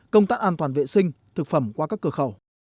công tác an toàn vệ sinh thực phẩm qua các cửa khẩu